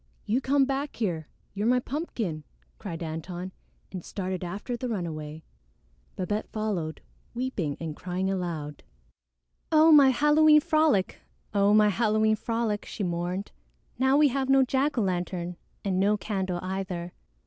"You come back here; you're my pumpkin," cried Antone and started after the runaway. Babette followed, weeping and crying aloud. "Oh, my Halloween frolic! Oh, my Halloween frolic!" she mourned. "Now we have no jack o' lantern and no candle either."